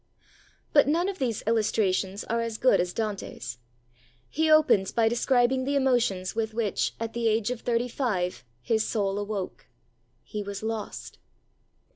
But none of these illustrations are as good as Dante's. He opens by describing the emotions with which, at the age of thirty five, his soul awoke. He was lost!